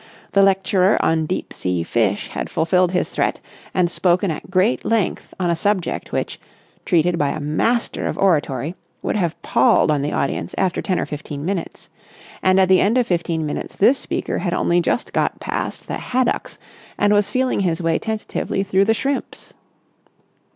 The lecturer on deep sea fish had fulfilled his threat and spoken at great length on a subject which, treated by a master of oratory, would have palled on the audience after ten or fifteen minutes; and at the end of fifteen minutes this speaker had only just got past the haddocks and was feeling his way tentatively through the shrimps.